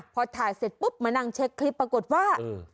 พอถ่ายเสร็จปุ๊บมานั่งเช็คคลิปปรากฏว่า